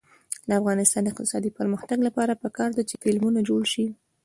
د افغانستان د اقتصادي پرمختګ لپاره پکار ده چې فلمونه جوړ شي.